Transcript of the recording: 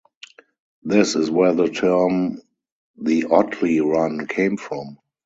This is where the term "the Otley Run" came from.